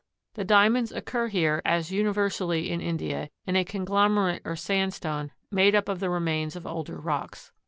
The Diamonds occur here, as universally in India, in a conglomerate or sandstone made up of the remains of older rocks.